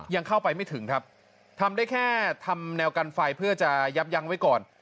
ยังเข้าไปไม่ถึงครับทำได้แค่ทำแนวกันไฟเพื่อจะยับยั้งไว้ก่อน